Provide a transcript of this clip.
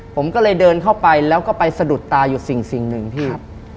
ผมก็เลยเดินเข้าไปแล้วก็ไปสะดุดตาอยู่สิ่งหนึ่งพี่